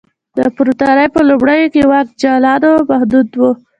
د امپراتورۍ په لومړیو کې واک جالانو محدود و